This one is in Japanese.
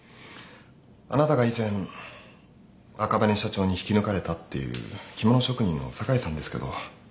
あなたが以前赤羽社長に引き抜かれたっていう着物職人の酒井さんですけど。